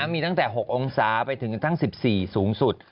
มีตั้งแต่๖องศาไปถึงตั้ง๑๔สูงสุด